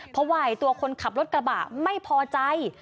เพราะว่าตัวคนขับรถกระบะไม่พอใจ